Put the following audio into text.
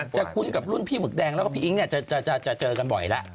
คุ้นกับรุ่นพี่หมึกแดงแล้วก็พี่อิ๊งจะเจอกันบ่อยแล้ว